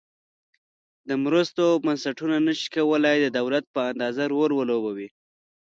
د مرستو بنسټونه نشي کولای د دولت په اندازه رول ولوبوي.